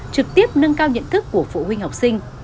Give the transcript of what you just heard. trực tiếp nâng cao nhận thức của phụ huynh học sinh